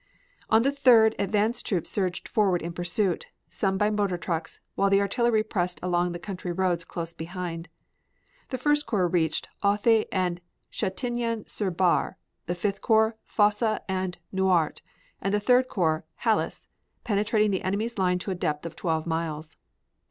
On the 3d advance troops surged forward in pursuit, some by motor trucks, while the artillery pressed along the country roads close behind. The First Corps reached Authe and Chatillon Sur Bar, the Fifth Corps, Fosse and Nouart, and the Third Corps Halles, penetrating the enemy's line to a depth of twelve miles.